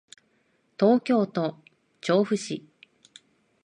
東京都調布市